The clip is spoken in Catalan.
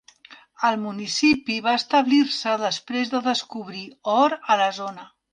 El municipi va establir-se després de descobrir or a la zona.